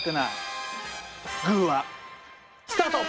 スタート！